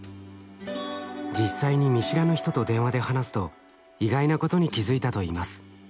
実際に見知らぬ人と電話で話すと意外なことに気付いたと言います。